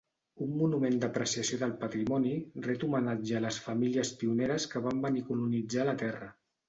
Un "Monument d'apreciació del patrimoni" ret homenatge a les famílies pioneres que van venir a colonitzar la terra.